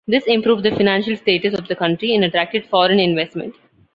This improved the financial status of the country and attracted foreign investment.